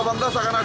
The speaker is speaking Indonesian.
di game asian game